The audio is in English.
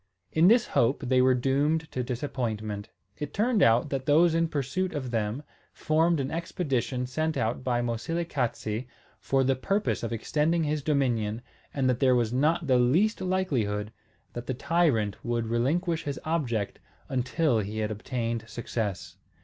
In this hope they were doomed to disappointment. It turned out that those in pursuit of them formed an expedition sent out by Moselekatse for the purpose of extending his dominion and there was not the least likelihood that the tyrant would relinquish his object until he had obtained success.